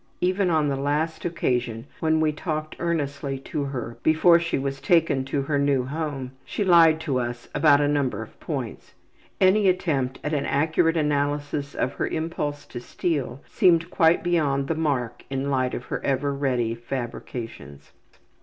Even on the last occasion when we talked earnestly to her before she was taken to her new home, she lied to us about a number of points. Any attempt at an accurate analysis of her impulse to steal seemed quite beyond the mark in the light of her ever ready fabrications.